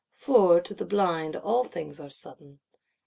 For, to the blind, all things are sudden.